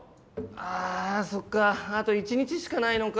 あそっかあと１日しかないのか。